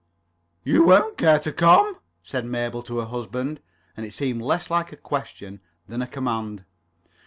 "You won't care to come?" said Mabel to her husband. And it seemed less like a question than a command.